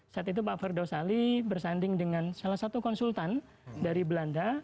saat itu pak ferdosali bersanding dengan salah satu konsultan dari belanda